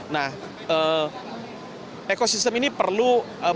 nah ekosistem ini perlu